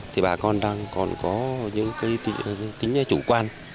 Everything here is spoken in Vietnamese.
thì bà con đang còn có những tính chủ quan